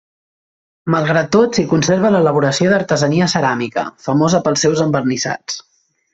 Malgrat tot s'hi conserva l'elaboració d'artesania ceràmica, famosa pels seus envernissats.